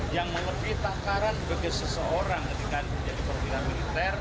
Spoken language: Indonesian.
yang memerlukan takaran bagi seseorang ketika menjadi pemerintah militer